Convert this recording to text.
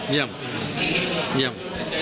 เยี่ยมเยี่ยม